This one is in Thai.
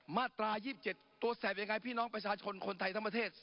มาตรายี่สิบเจ็ดตัวแสบยังไงพี่น้องประชาชนคนคนไทยทั้งประเทศ